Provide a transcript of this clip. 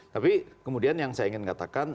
tapi kemudian yang saya ingin katakan